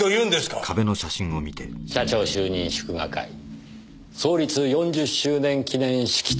社長就任祝賀会創立４０周年記念式典。